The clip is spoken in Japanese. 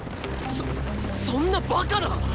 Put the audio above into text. そそんなバカな！